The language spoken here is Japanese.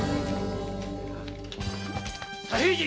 左平次！